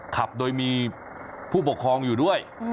ขับโดยมีผู้ปกครองอยู่ด้วย